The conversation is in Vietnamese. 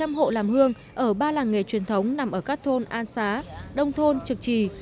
nàng nghề làm hương ở ba làng nghề truyền thống nằm ở các thôn an xá đông thôn trực trì